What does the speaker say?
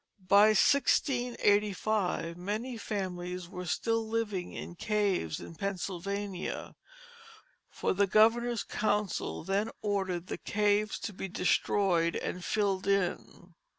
By 1685 many families were still living in caves in Pennsylvania, for the Governor's Council then ordered the caves to be destroyed and filled in.